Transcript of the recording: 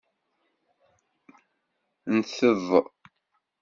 Nteḍ.